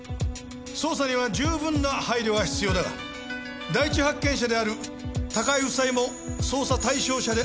捜査には十分な配慮が必要だが第一発見者である高井夫妻も捜査対象者である事を忘れるな。